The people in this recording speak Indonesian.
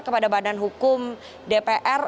kepada badan hukum dpr